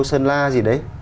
sơn la gì đấy